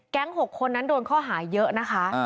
๖คนนั้นโดนข้อหาเยอะนะคะ